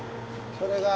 それが。